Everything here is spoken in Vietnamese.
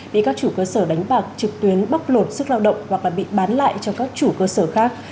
để các chủ cơ sở đánh bạc trực tuyến bóc lột sức lao động hoặc bị bán lại cho các chủ cơ sở khác